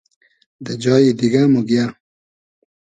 دہ جایی دیگۂ موگیۂ